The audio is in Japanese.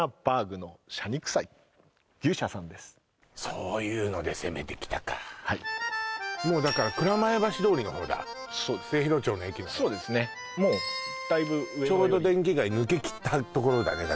そういうので攻めてきたかはいもうだから蔵前橋通りの方だ末広町の駅の方そうですねもうだいぶちょうど電気街抜けきったところ